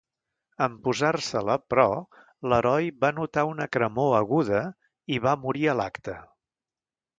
En posar-se-la, però, l'heroi va notar una cremor aguda i va morir a l'acte.